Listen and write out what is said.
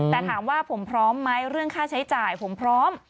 แต่ถามว่าผมพร้อมไหมเรื่องค่าใช้จ่ายผมพร้อม